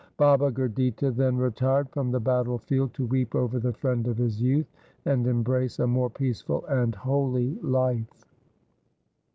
Baba Gurditta then retired from the battle field to weep over the friend of his youth, and embrace a more peaceful and holy life.